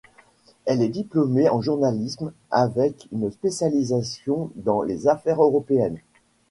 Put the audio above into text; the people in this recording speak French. Elle est diplômée en journalisme avec une spécialisation dans les affaires européennes.